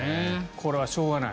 これはしょうがない。